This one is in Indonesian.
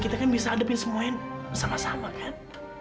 kita kan bisa hadapin semuanya sama sama kan